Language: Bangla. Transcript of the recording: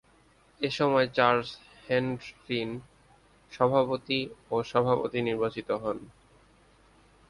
এ সময় চার্লস হেনরটিন সভাপতি ও সভাপতি নির্বাচিত হন।